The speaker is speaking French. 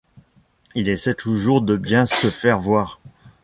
Il essaye toujours de bien se faire voir.